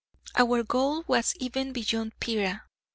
Our goal was even beyond Pera.